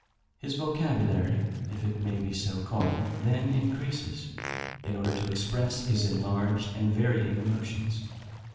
His vocabulary, if it may be so called, then increases, in order to express his enlarged and varying emotions.